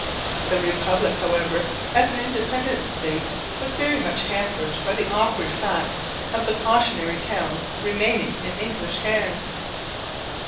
The Republic, however, as an independent State, was very much hampered by the awkward fact of the cautionary towns remaining in English hands.